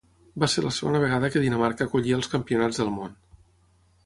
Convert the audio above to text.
Va ser la segona vegada que Dinamarca acollia els campionats del món.